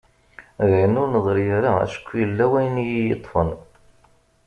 D ayen ur d-neḍri ara acku yella wayen i yi-yeṭṭfen.